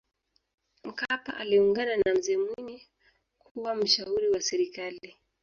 mkapa aliungana na mzee mwinyi kuwa mshauri wa serikali